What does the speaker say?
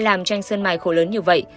làm tranh sơn mai khổ lớn như vậy